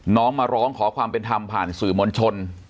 น้องมาร้องขอความเป็นธรรมผ่านสื่อมวลชน